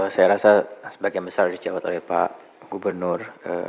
saya rasa sebagian besar dijawat oleh pak gubernur